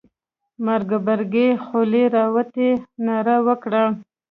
مار غبرگې خولې را وتې ناره وکړه.